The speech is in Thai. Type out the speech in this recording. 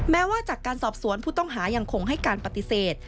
แม้ว่าจากการสอบสวนผู้ต้องหายังคงให้การปฏิเสธ